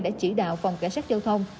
đã chỉ đạo phòng cảnh sát giao thông